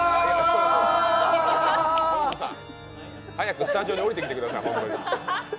早くスタジオにおりてきてください。